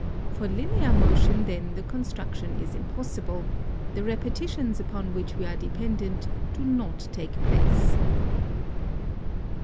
For linear motion, then, the construction is impossible "; the repeti tions upon which we are dependent do not take place.